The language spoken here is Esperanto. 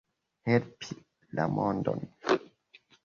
Helpi la mondon.